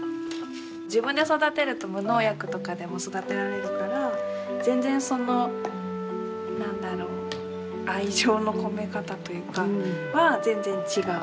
自分で育てると無農薬とかでも育てられるから全然その何だろう愛情の込め方というかは全然違う。